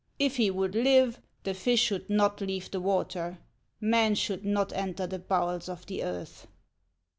" If he would live, the fish should not leave the water. Man should not enter the bowels of the earth."